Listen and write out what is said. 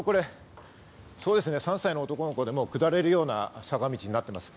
３歳の男の子でも下れるような坂道になっています。